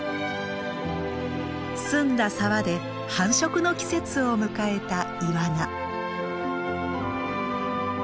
澄んだ沢で繁殖の季節を迎えたイワナ。